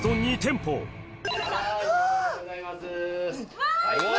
うわ！